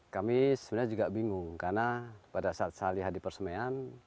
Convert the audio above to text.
kami sebenarnya juga bingung karena pada saat saya lihat di persemean